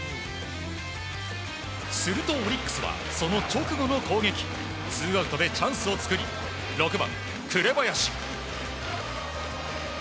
するとオリックスはその直後の攻撃ツーアウトでチャンスを作り６番、紅林。